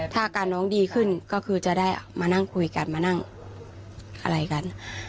ถ้าอาการน้องดีขึ้นก็คือจะได้มานั่งคุยกันมานั่งอะไรกัน